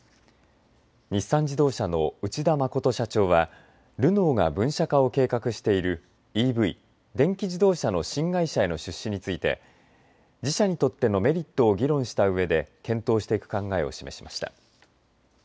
日産自動車の内田誠社長はルノーが分社化を計画しているＥＶ電気自動車の新会社への出資について自社にとってのメリットを議論したうえで検討していく考えを示しました。